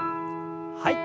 はい。